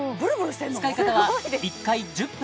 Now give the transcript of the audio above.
使い方は１回１０分